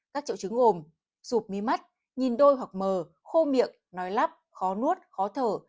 các triệu chứng gồm rụt mi mắt nhìn đôi hoặc mờ khô miệng nói lắp khó nuốt khó thở